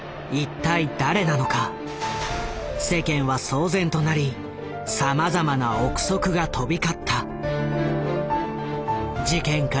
世間は騒然となりさまざまな臆測が飛び交った。